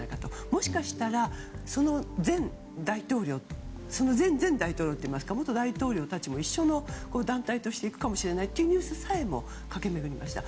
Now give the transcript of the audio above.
もしかしたら、その前大統領前々大統領っていいますか元大統領たちも一緒の団体として一緒に行くというニュースも駆け巡りました。